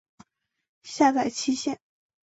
下载期限